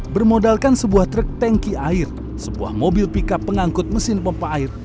bermodalkan sebuah truk tanki air sebuah mobil pickup pengangkut mesin pompa air